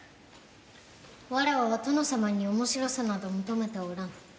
わらわは『とのさまん』に面白さなど求めておらぬ。